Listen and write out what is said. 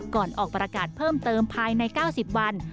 ออกประกาศเพิ่มเติมภายใน๙๐วัน